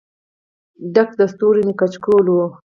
ډک د ستورو مې کچکول و